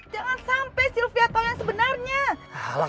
jangan sampe sylvia tau yang sebenarnya